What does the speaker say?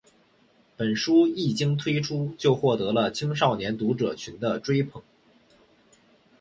本书一经推出就获得了青少年读者群的追捧。